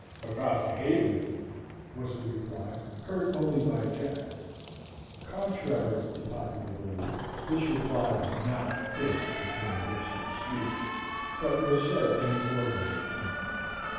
"Because I hate him," was the reply, heard only by Jack. Contrary to popular belief, this reply was not hissed between the lips of the speaker, but was said in an ordinary tone.